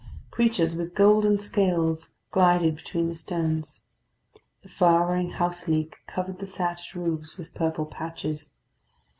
Creatures with golden scales glided between the stones. The flowering houseleek covered the thatched roofs with purple patches.